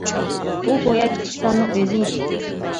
ئۇ گويا كىچىك بالىنىڭ ئۆزى ئىدى.